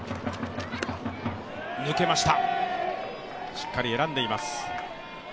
しっかり選んでいます。